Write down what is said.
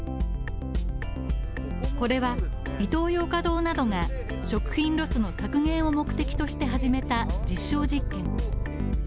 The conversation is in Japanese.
これは、イトーヨーカドーなどが食品ロスの削減などを目的として始めた実証実験。